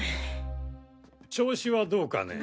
調子はどうかね？